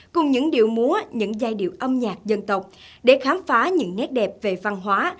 cùng những điệu múa những giai điệu âm nhạc dân tộc để khám phá những nét đẹp về văn hóa